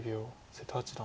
瀬戸八段